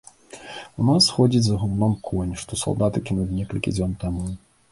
У нас ходзіць за гумном конь, што салдаты кінулі некалькі дзён таму.